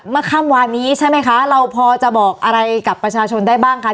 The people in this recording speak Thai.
เมื่อค่ำวานนี้ใช่ไหมคะเราพอจะบอกอะไรกับประชาชนได้บ้างคะ